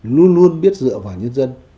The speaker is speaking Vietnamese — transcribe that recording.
luôn luôn biết dựa vào nhân dân